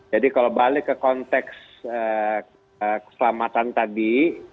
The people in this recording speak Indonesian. jadi kalau balik ke konteks keselamatan tadi